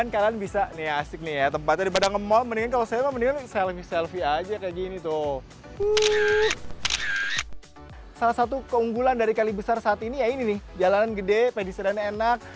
keunggulan dari kali besar saat ini ya ini nih jalanan gede pedisirannya enak